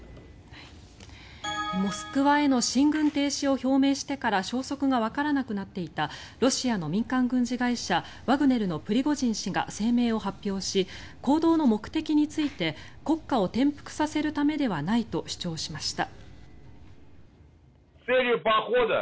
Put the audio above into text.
モスクワへの進軍停止を表明してから消息がわからなくなっていたロシアの民間軍事会社ワグネルのプリゴジン氏が声明を発表し行動の目的について国家を転覆させるためではないと主張しました。